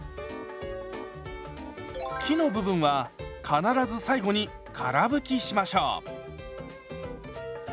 木の部分は必ず最後にから拭きしましょう。